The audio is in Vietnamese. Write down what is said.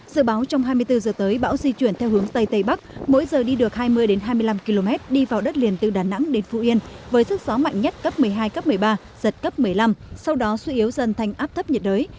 dự báo trong hai mươi bốn giờ tới bão di chuyển theo hướng tây tây bắc mỗi giờ đi được hai mươi hai mươi năm km đi vào đất liền từ đà nẵng đến phú yên với sức gió mạnh nhất cấp một mươi hai cấp một mươi ba giật cấp một mươi năm sau đó suy yếu dần thành áp thấp nhiệt đới